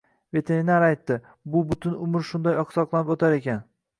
Veterinar aytdi, bu butun umr shunday oqsoqlanib oʻtar ekan